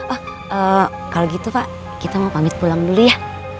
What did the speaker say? wah kalau gitu pak kita mau pamit pulang dulu ya